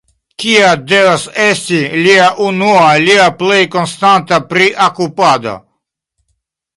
Kia devas esti lia unua, lia plej konstanta priokupado?